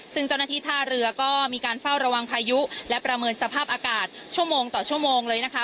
ซึ่งเจ้าหน้าที่ท่าเรือก็มีการเฝ้าระวังพายุและประเมินสภาพอากาศชั่วโมงต่อชั่วโมงเลยนะคะ